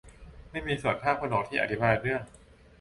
ไม่มีส่วนภาคผนวกที่อธิบายเรื่อง